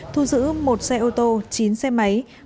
thu giữ một xe ô tô chín xe máy